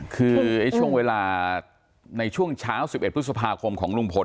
คือช่วงเวลาช้า๑๑พฤษภาคมของลุมพล